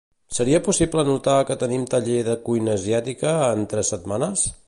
Seria possible anotar que tenim taller de cuina asiàtica en tres setmanes?